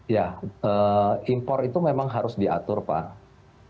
ya impor itu memang harus diatur pak